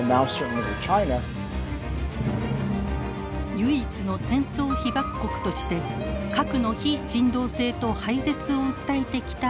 唯一の戦争被爆国として核の非人道性と廃絶を訴えてきた日本。